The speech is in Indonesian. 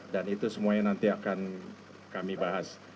dan itu semuanya nanti akan kami bahas